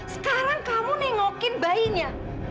sekarang kamu nengokin bayinya